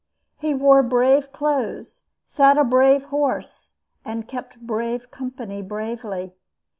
He wore brave clothes, sat a brave horse, and kept brave company bravely.